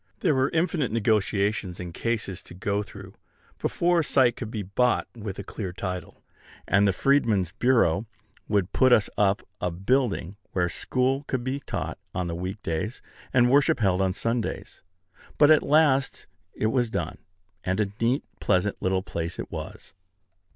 There were infinite negotiations and cases to go through before a site could be bought with a clear title; and the Freedman's Bureau would put us up a building where school could be taught on week days, and worship held on Sundays: but at last it was done; and a neat, pleasant little place it was.